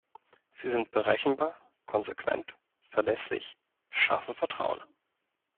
Sie sind berechenbar, konsequent, verlässlich, schaffen Vertrauen.